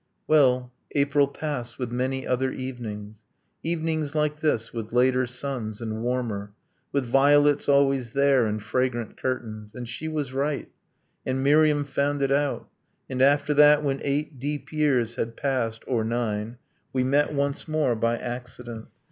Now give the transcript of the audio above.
Well, April passed with many other evenings, Evenings like this, with later suns and warmer, With violets always there, and fragrant curtains ... And she was right: and Miriam found it out ... And after that, when eight deep years had passed Or nine we met once more, by accident ..